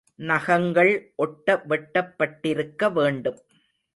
நகங்கள் ஒட்ட வெட்டப்பட்டிருக்க வேண்டும்.